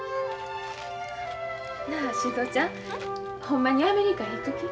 なあ静尾ちゃんほんまにアメリカへ行く気？